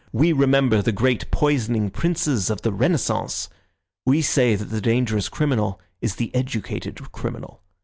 We remember the great poisoning princes of the Renaissance. We say that the dangerous criminal is the educated criminal.